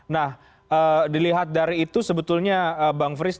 nah dilihat dari itu sebetulnya bang frits